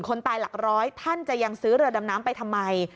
คนตายหลักร้อยท่านจะยังซื้อเรือดำน้ำไปทำไม